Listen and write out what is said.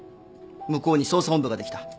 向こうに捜査本部ができた。